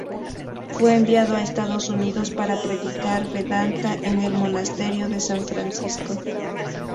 Fue enviado a Estados Unidos para predicar Vedanta en el monasterio de San Francisco.